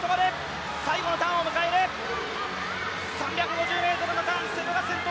３５０ｍのターン、瀬戸が先頭。